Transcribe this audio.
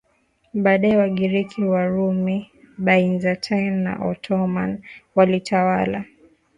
Baadaye Wagiriki Warumi Byzantine na Ottoman walitawala